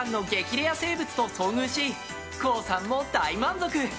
レア生物と遭遇しＫＯＯさんも大満足！